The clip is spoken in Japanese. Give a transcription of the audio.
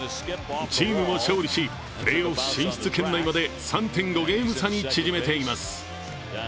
チームも勝利し、プレーオフ進出圏内まで３．５ゲーム差に縮めています。